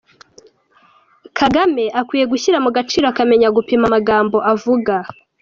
Kagame akwiye gushyira mu gaciro akamenya gupima amagambo avuga.